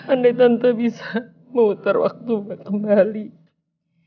andai tante bisa membeli ruang untuk roy biar darky bisa ambil perhatian begini